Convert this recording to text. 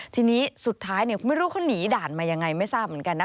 ทีนี้สุดท้ายไม่รู้เขาหนีด่านมายังไงไม่ทราบเหมือนกันนะ